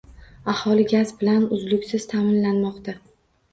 Aholi gaz bilan uzluksiz ta’minlanmoqda